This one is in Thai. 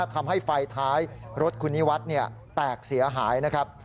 ทำให้ไฟท้ายรถคุณนิวัฒน์แตกเสียหายนะครับ